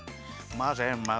まぜまぜ！